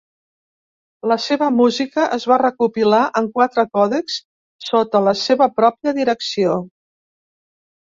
La seva música es va recopilar en quatre còdexs sota la seva pròpia direcció.